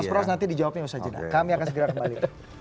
mas prost nanti dijawabin usah jelas kami akan segera kembali